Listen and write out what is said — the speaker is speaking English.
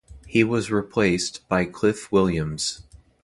He was replaced by Cliff Williams.